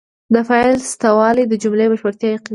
د فاعل سته والى د جملې بشپړتیا یقیني کوي.